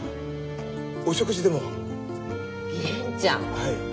はい。